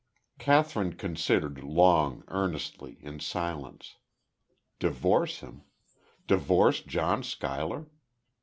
Kathryn considered long, earnestly, in silence. Divorce him! Divorce John Schuyler!